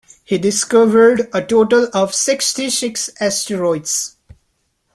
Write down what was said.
He discovered a total of sixty-six asteroids.